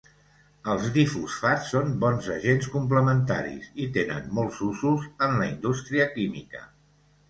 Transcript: Els difosfats són bons agents complementaris i tenen molts usos en la indústria química.